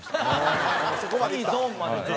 いいゾーンまでね。